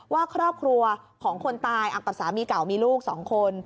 ว่าครอบครัวของคนตายอังกษัตริย์สามีเก่ามีลูกสองคน